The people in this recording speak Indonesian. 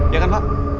ya kan pak